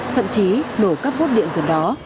thậm chí nổ cấp bốt điện từ đó